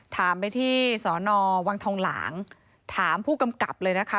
ถามไปที่สอนอวังทองหลางถามผู้กำกับเลยนะคะ